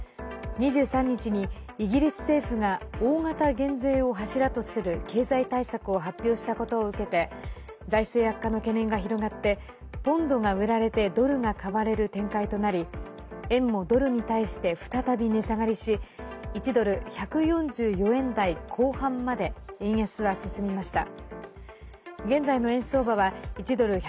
２３日にイギリス政府が大型減税を柱とする経済対策を発表したことを受けて財政悪化の懸念が広がってポンドが売られてドルが買われる展開となり円もドルに対して再び値下がりし１ドル＝１４４円台後半まで円安は進みました。